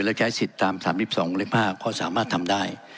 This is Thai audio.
แล้วใช้สิทธิ์ตามสามสิบสองหลายห้าข้อสามารถทำได้